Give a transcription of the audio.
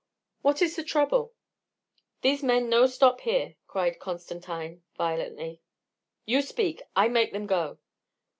"What is the trouble?" "These men no stop here!" cried Constantine violently. "You speak! I make them go."